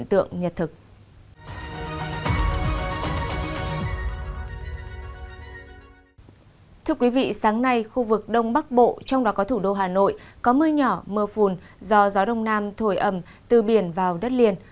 thưa quý vị sáng nay khu vực đông bắc bộ trong đó có thủ đô hà nội có mưa nhỏ mưa phùn do gió đông nam thổi ẩm từ biển vào đất liền